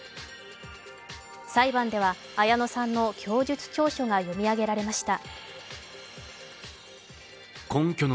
裁判では綾野さんの供述調書が読み上げられました。